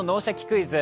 クイズ」